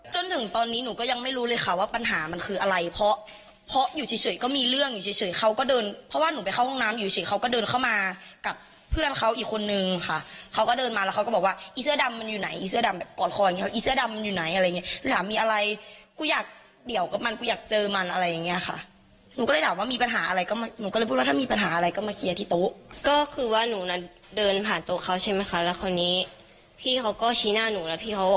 จนถึงตอนนี้หนูก็ยังไม่รู้เลยค่ะว่าปัญหามันคืออะไรเพราะอยู่เฉยก็มีเรื่องอยู่เฉยเขาก็เดินเพราะว่าหนูไปเข้าห้องน้ำอยู่เฉยเขาก็เดินเข้ามากับเพื่อนเขาอีกคนนึงค่ะเขาก็เดินมาแล้วเขาก็บอกว่าอีเสื้อดำมันอยู่ไหนอีเสื้อดำแบบกอดคออย่างเงี้ยอีเสื้อดำมันอยู่ไหนอะไรเงี้ยหรือหามีอะไรกูอยากเดี่ยวกับมันกูอย